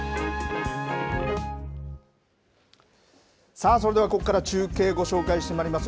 さあ、それではここから中継ご紹介していきます。